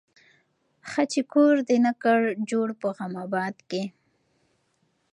ښه چي کور دي نه کړ جوړ په غم آباد کي